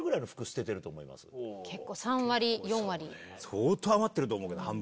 相当余ってると思う。